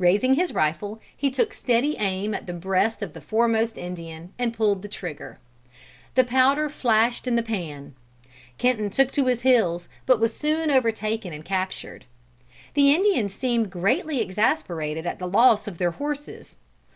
Raising his rifle, he took steady aim at the breast of the foremost Indian, and pulled the trigger. The powder flashed in the pan. Kenton took to his heels, but was soon overtaken and captured. The Indians seemed greatly exasperated at the loss of their horses.